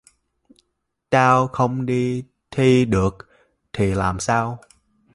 tao không đi thi được thì làm sao